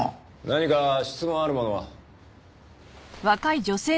何か質問ある者は？